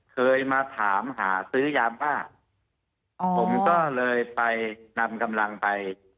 เคยมาถามหาซื้อยาบ้าผมก็เลยไปนำกำลังไป